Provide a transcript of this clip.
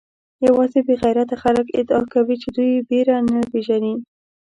یوازې بې غیرته خلک ادعا کوي چې دوی بېره نه پېژني.